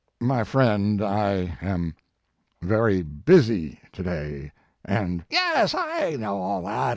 "My friend, I am very busy to day, and" "Yes, I know all that.